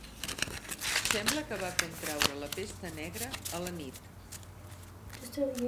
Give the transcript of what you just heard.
Sembla que va contraure la pesta negra a la nit.